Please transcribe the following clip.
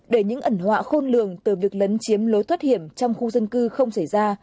để những ẩn họa khôn lường từ việc lấn chiếm lối thoát hiểm trong khu dân cư không xảy ra